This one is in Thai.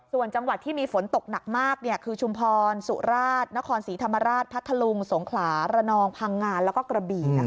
ส่วนจังหวัดที่มีฝนตกหนักมากคือชุมพรสุราชนครศรีธรรมราชพัทธลุงสงขลาระนองพังงานแล้วก็กระบี่